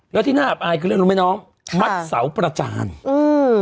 แล้วที่น่าอับอายคือเรื่องรู้ไหมน้องมัดเสาประจานอืม